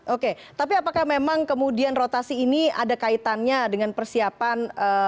oke tapi apakah memang kemudian rotasi ini ada kaitannya dengan persiapan